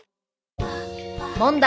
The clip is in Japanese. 問題！